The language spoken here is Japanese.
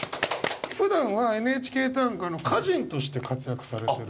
ふだんは「ＮＨＫ短歌」の歌人として活躍されてる。